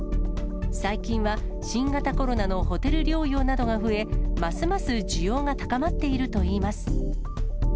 最近は新型コロナのホテル療養などが増え、ますます需要が高まっているといいます。